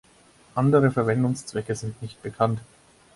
Andere Verwendungszwecke sind nicht bekannt.